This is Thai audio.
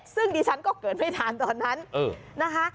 ซึ่งดิฉันก็เกิดไม่ทันตอนนั้นนะคะ